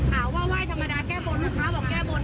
หาว่าไหว้ธรรมดาแก้บนลูกค้าบอกแก้บน